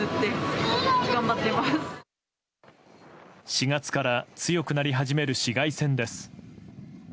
４月から強くなり始める紫外線です。